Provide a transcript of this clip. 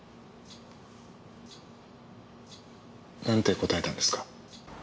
なんて答えたんですか？